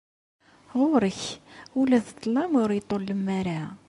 Ɣur-k, ula d ṭṭlam ur iṭṭullem ara.